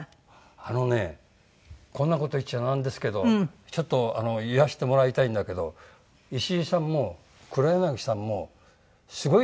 あのねこんな事言っちゃなんですけどちょっと言わせてもらいたいんだけど石井さんも黒柳さんもすごい方なんですよ。